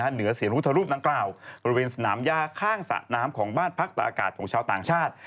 เหนือเสียงพุทธรูปดังกล่าวบริเวณสนามย่าข้างสระน้ำของบ้านพักตะอากาศของชาวต่างชาติ